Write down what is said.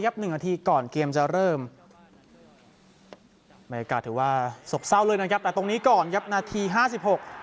บรรยากาศถือว่าสบเศร้าเลยนะครับแต่ตรงนี้ก่อนครับนาทีห้าสิบหก